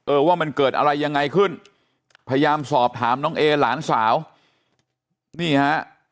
ว่ามันเกิดอะไรยังไงขึ้นพยายามสอบถามน้องเอหลานสาวนี่ฮะ